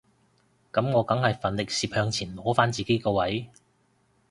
噉我梗係奮力攝向前攞返自己個位